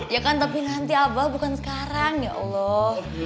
ya kan tapi nanti abah bukan sekarang ya allah